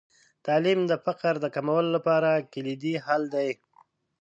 تعلیم د فقر د کمولو لپاره کلیدي حل دی.